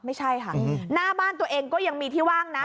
ไม่ใช่ค่ะหน้าบ้านตัวเองก็ยังมีที่ว่างนะ